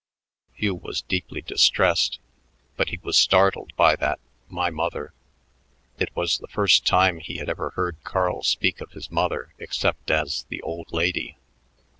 Hugh was deeply distressed, but he was startled by that "my mother." It was the first time he had ever heard Carl speak of his mother except as the "old lady."